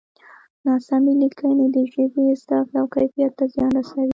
ناسمې لیکنې د ژبې زده کړه او کیفیت ته زیان رسوي.